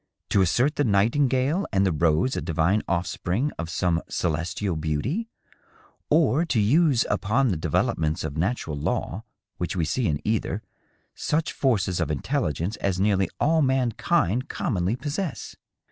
— ^to assert the nightingale and the rose a divine ofispring of some celestial beauty, or to use upon the developments of natural law which we see in either, such forces of intelligence as nearly all mankind com monly possess